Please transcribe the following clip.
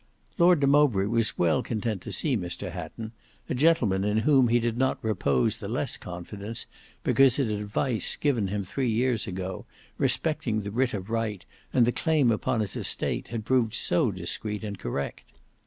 Lord de Mowbray was well content to see Mr Hatton, a gentleman in whom he did not repose the less confidence, because his advice given him three years ago, respecting the writ of right and the claim upon his estate had proved so discreet and correct.